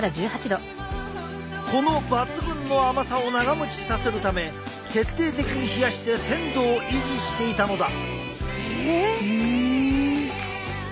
この抜群の甘さを長もちさせるため徹底的に冷やして鮮度を維持していたのだ。